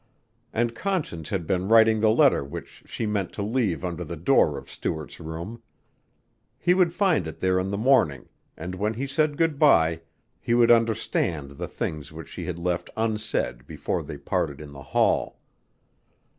And Conscience had been writing the letter which she meant to leave under the door of Stuart's room. He would find it there in the morning, and when he said good by, he would understand the things which she had left unsaid before they parted in the hall.